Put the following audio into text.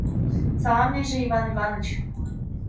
Салам лийже, Иван Иваныч!